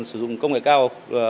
sử dụng công nghệ cao